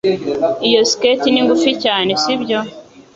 Iyo skirt ni ngufi cyane, sibyo?